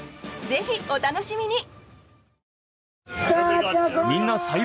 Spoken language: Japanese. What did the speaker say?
ぜひ、お楽しみに！